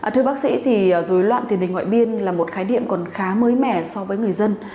thưa bác sĩ dối loạn tiền đình ngoại biên là một khái điểm còn khá mới mẻ so với người dân